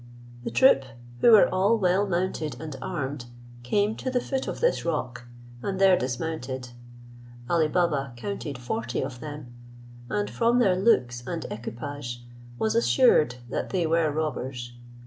The troop, who were all well mounted and armed, came to the foot of this rock, and there dismounted. Ali Baba counted forty of them, and, from their looks and equipage, was assured that they were robbers.